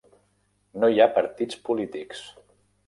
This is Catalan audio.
No hi ha partits polítics.